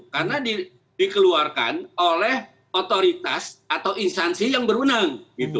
karena dikeluarkan oleh otoritas atau instansi yang berwenang